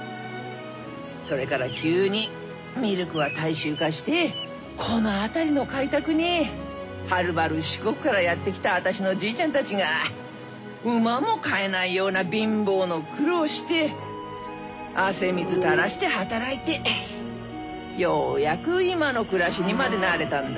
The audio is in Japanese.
それから急にミルクは大衆化してこの辺りの開拓にはるばる四国からやって来た私の祖父ちゃんたちが馬も飼えないような貧乏の苦労して汗水垂らして働いてようやく今の暮らしにまでなれたんだ。